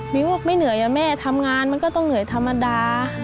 บอกไม่เหนื่อยอะแม่ทำงานมันก็ต้องเหนื่อยธรรมดา